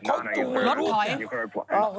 คนจุดหลูก